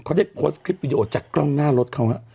เขาได้โพสต์คลิปวิดีโอจากกล้องหน้ารถเขาฮะ